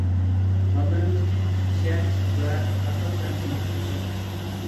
بالىلىرىمىزنى ئىشەنچ ۋە ئەقىل بىلەن چوڭ قىلغۇچى.